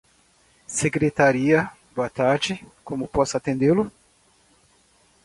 Secretaria, boa tarde. Como posso atendê-lo?